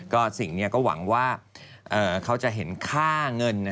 ก็สิ่งนี้ก็หวังว่าเขาจะเห็นค่าเงิน